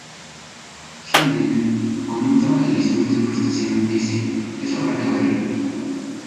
G-Man, con un tono de disgusto y frustración, dice: "Eso habrá que verlo".